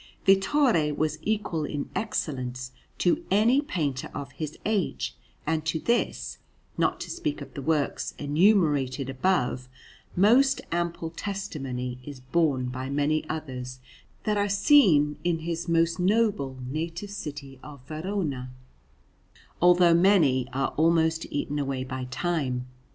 Vittore was equal in excellence to any painter of his age; and to this, not to speak of the works enumerated above, most ample testimony is borne by many others that are seen in his most noble native city of Verona, although many are almost eaten away by time.